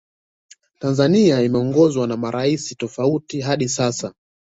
Tanzania imeongozwa na maraisi tofauti hadi sasa